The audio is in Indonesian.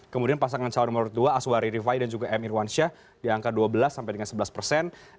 kemudian pasangan calon nomor dua aswari rifai dan juga m irwansyah di angka dua belas sampai dengan sebelas persen